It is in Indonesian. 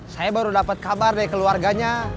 saya baru dapat kabar dari keluarganya